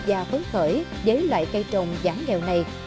và phấn khởi với loại cây trồng giảm nghèo này